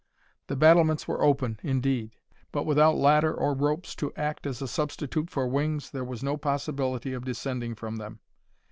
The battlements were open, indeed; but without ladder or ropes to act as a substitute for wings, there was no possibility of descending from them.